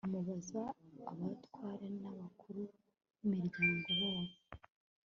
amubaza abatware n'abakuru b'imiryango babo